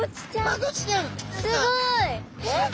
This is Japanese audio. すごい！えっ？